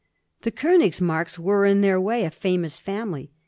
The Konigsmarks were in their way a famous &mily.